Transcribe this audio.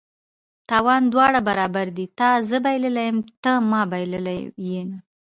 تاوان د دواړه برابر دي: تا زه بایللي یم ته ما بایلله ینه